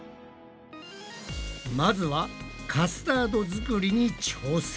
まずはカスタード作りに挑戦だ！